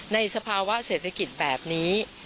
สภาวะเศรษฐกิจแบบนี้